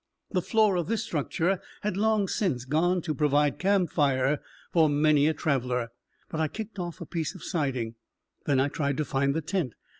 The floor of this structure had long since gone to provide camp fires for many a traveler, but I kicked off a piece of siding. Then I tried to find the tent.